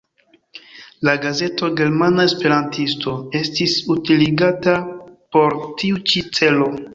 La gazeto "Germana Esperantisto" estis utiligata por tiu ĉi celo.